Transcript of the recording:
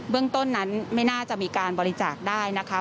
เรื่องต้นนั้นไม่น่าจะมีการบริจาคได้นะคะ